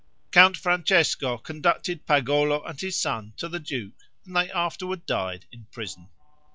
Count Francesco conducted Pagolo and his son to the duke, and they afterward died in prison.